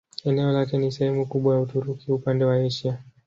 Eneo lake ni sehemu kubwa ya Uturuki upande wa Asia.